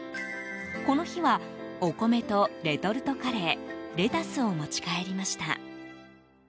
この日は、お米とレトルトカレー、レタスを持ち帰りました。